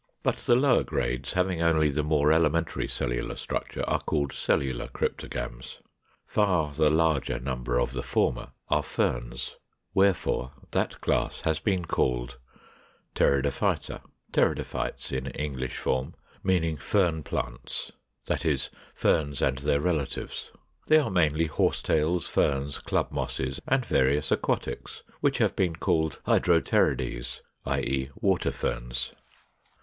But the lower grades, having only the more elementary cellular structure, are called Cellular Cryptogams. Far the larger number of the former are Ferns: wherefore that class has been called 484. =Pteridophyta, Pteridophytes= in English form, meaning Fern plants, that is, Ferns and their relatives. They are mainly Horsetails, Ferns, Club Mosses, and various aquatics which have been called Hydropterides, i. e. Water Ferns.